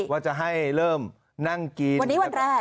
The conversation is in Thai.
ว่าจะให้เริ่มนั่งกิน